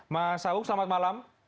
mas sawung selamat malam